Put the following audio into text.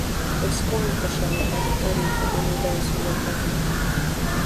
They scorned the show as a party for only those who were present.